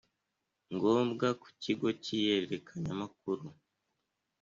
ngombwa ku kigo cy ihererekanyamakuru